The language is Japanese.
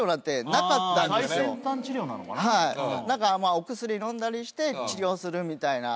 お薬飲んだりして治療するみたいな。